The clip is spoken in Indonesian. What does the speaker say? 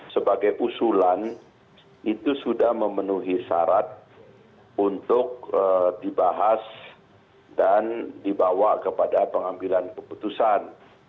sebagai usulan itu sudah memenuhi syarat untuk dibahas dan dibawa kepada pengambilan keputusan